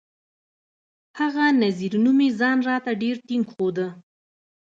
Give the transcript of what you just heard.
هغه نذير نومي ځان راته ډېر ټينګ ښوده.